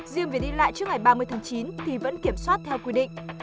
riêng vì đi lại trước ngày ba mươi tháng chín thì vẫn kiểm soát theo quy định